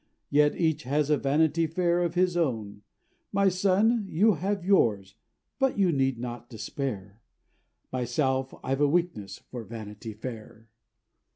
Yet each has a Vanity Fair of his own;— My son, you have yours, but you need not despair, Myself, I've a weakness for Vanity Fair.